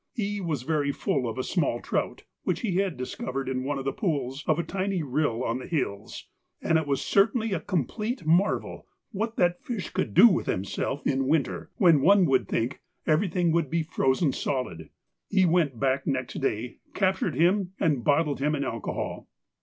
E. was very full of a small trout which they had discovered in one of the pools of a tiny rill on the hills, and it was certainly a complete marvel what that fish could do with himself in winter, when one would think everything would be frozen solid. E. went back next day, captured him and bottled him in alcohol.